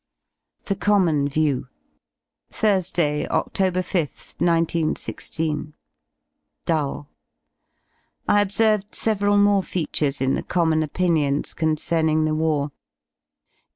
THE COMMON VIEW Thursday, Oct. 5th, 1916. Dull. I observed several more features in the common opinions concerning the war.